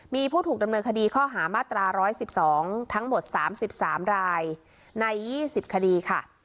มีผู้ถูกดำเนินคดีข้อหามาตรา๑๑๒ทั้งหมด๓๓รายใน๒๐คดีค่ะ